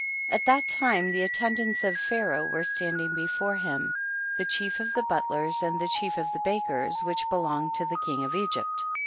2. At that time the attendants of Pharaoh were standing before him^ the chief of the butlers and the chief of the bakers which belonged to the king of Egypt.